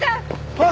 はい。